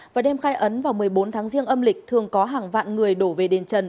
và đêm khai ấn vào một mươi bốn tháng riêng âm lịch thường có hàng vạn người đổ về đền trần